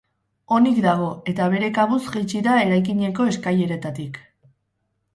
Onik dago, eta bere kabuz jaitsi da eraikineko eskaileretatik.